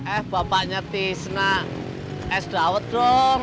eh bapaknya tisnak es daud dong